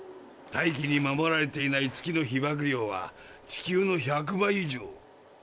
大気に守られていない月のひばく量は地球の１００倍以上。